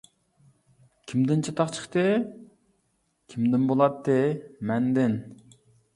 — كىمدىن چاتاق چىقتى؟ — كىمدىن بولاتتى؟ مەندىن.